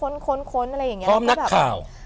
พร้อมนักข่าว